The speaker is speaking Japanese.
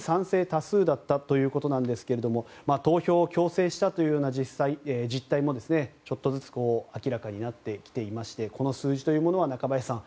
多数だったということだったんですが投票を強制したというような実態もちょっとずつ明らかになってきていましてこの数字というものは中林さん